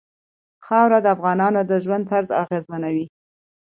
خاوره د افغانانو د ژوند طرز اغېزمنوي.